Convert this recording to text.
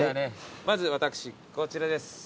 まず私こちらです。